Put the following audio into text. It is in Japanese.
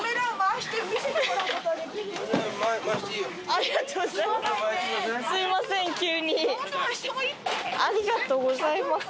ありがとうございます。